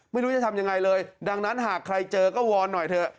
ไม่รู้จะทำยังไงเลยดังนั้นหากใครเจอก็วอนหน่อยเถอะ